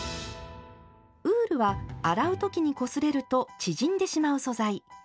ウールは洗う時にこすれると縮んでしまう素材。